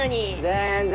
全然！